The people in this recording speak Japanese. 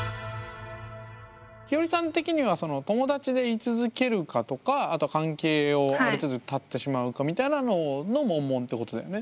ひよりさん的には友達でい続けるかとかあと関係をある程度断ってしまうかみたいなののモンモンってことだよね。